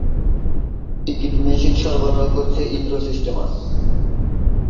Ticket machine সরবরাহ করছে Indra সিস্টেমাস।